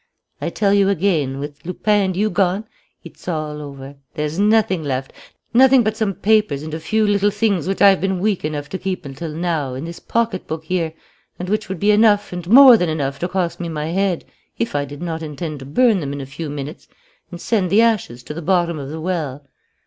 "I tell you again, with Lupin and you gone, it's all over. There's nothing left, nothing but some papers and a few little things which I have been weak enough to keep until now, in this pocket book here, and which would be enough and more than enough to cost me my head, if I did not intend to burn them in a few minutes and send the ashes to the bottom of the well.